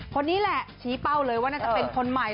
คนนี้แหละชี้เป้าเลยว่าน่าจะเป็นคนใหม่